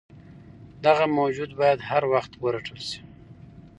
دغه موجود باید هروخت ورټل شي.